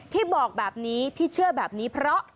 ที่บอกแบบนี้ที่เชื่อแบบนี้เพราะ